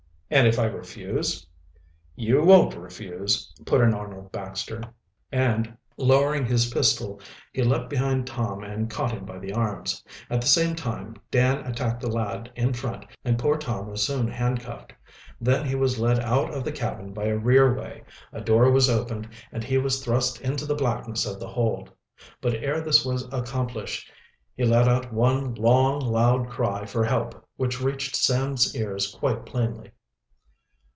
"And if I refuse?" "You won't refuse," put in Arnold Baxter, and, lowering his pistol, he leaped behind Tom and caught him by the arms. At the same time Dan attacked the lad in front and poor Tom was soon handcuffed. Then he was led out of the cabin by a rear way, a door was opened, and he was thrust into the blackness of the hold. But ere this was accomplished he let out one long, loud cry for help which reached Sam's ears quite plainly.